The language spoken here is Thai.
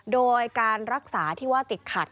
โดยการรักษาที่ว่าติดขัด